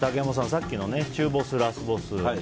さっきの中ボス、ラスボス